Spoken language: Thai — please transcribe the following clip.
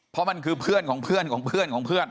เพราะมันคือเพื่อนของเพื่อนของเพื่อนของเพื่อน